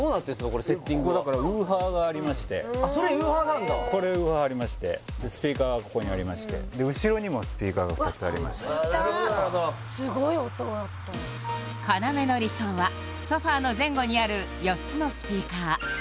これセッティングがここウーファーがありましてあっそれウーファーなんだこれウーファーありましてスピーカーがここにありましてうわっいたすごい音だった要の理想はソファの前後にある４つのスピーカー